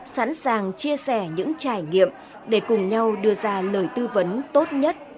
sẵn sàng chia sẻ những trải nghiệm để cùng nhau đưa ra lời tư vấn tốt nhất